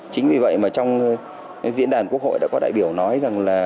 chính vì vậy mà trong diễn đàn quốc hội đã có đại biểu nói rằng là